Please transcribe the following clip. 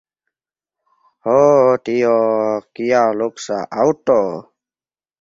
Ho, Dio, kia luksa aŭto!